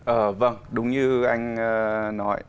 ờ vâng đúng như anh nói